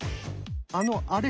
あのあれ。